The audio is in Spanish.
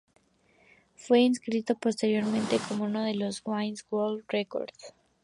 Fue inscrito posteriormente como uno de los Guinness World Records.